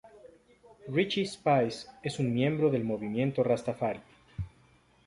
Richie Spice es un miembro del movimiento rastafari.